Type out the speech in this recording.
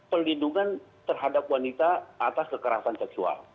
pelindungan terhadap wanita atas kekerasan seksual